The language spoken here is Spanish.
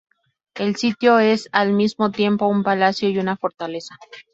El sitio es al mismo tiempo un palacio y una fortaleza.